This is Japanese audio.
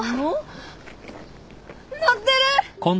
載ってる！